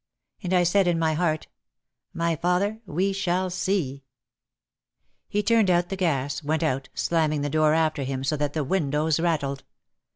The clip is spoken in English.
And I said in my heart, "My father, we shall see !" He turned out the gas, went out, slamming the door after him so that the windows rattled.